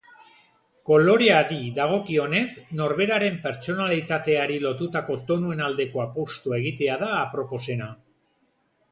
Koloreari dagokionez, norberaren pertsonalitateari lotutako tonuen aldeko apustua egitea da aproposena.